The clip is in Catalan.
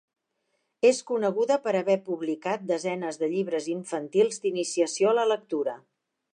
És coneguda per haver publicat desenes de llibres infantils d'iniciació a la lectura.